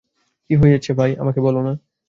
কী হইয়াছে ভাই, আমাকে বলো-না।